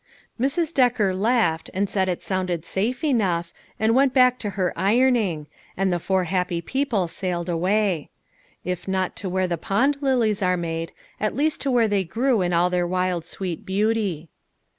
Mrs. Decker laughed, and said it sounded safe enough ; and went back to her ironing, and the four happy people sailed away. If not to where the pond lilies were made, at least to where they grew in all their wild sweet beauty.